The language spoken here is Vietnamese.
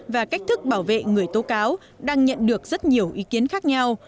và cách thức bảo vệ người tố cáo đang nhận được rất nhiều ý kiến khác nhau